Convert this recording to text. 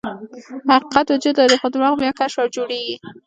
حقیقت وجود لري، خو درواغ بیا کشف او جوړیږي.